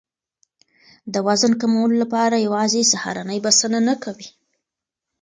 د وزن کمولو لپاره یوازې سهارنۍ بسنه نه کوي.